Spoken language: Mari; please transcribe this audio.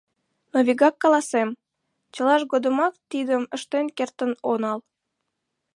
Но вигак каласем — чылаж годымак тидым ыштен кертын онал.